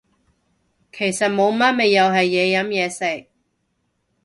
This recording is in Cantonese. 其實冇乜咪又係嘢飲嘢食